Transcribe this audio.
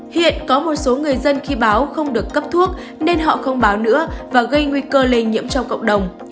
hiện có một số người dân khi báo không được cấp thuốc nên họ không báo nữa và gây nguy cơ lây nhiễm trong cộng đồng